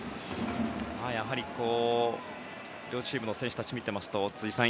やはり両チームの選手たちを見ていますと辻さん